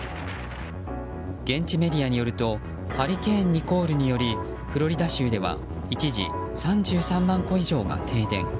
現地メディアによるとハリケーン、ニコールによりフロリダ州では一時３３万戸以上が停電。